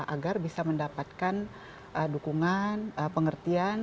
agar bisa mendapatkan dukungan pengertian